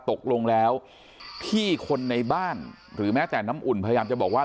ตกลงแล้วที่คนในบ้านหรือแม้แต่น้ำอุ่นพยายามจะบอกว่า